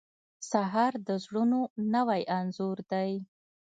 سهار د زړونو نوی انځور دی.